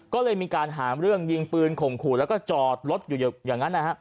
ก็เลยมีการหาเรื่องยิงปืนข่มขู่แล้วก็จอดรถอยู่อย่างนั้นนะฮะ